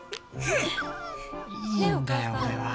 いいんだよ俺は。